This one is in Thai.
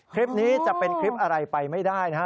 คลิปนี้จะเป็นคลิปอะไรไปไม่ได้นะฮะ